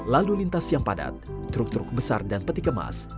lalu lintas yang padat truk truk besar dan peti kemas